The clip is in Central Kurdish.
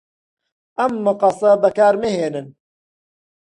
ئەم مەقەسە بەکارمەهێنن.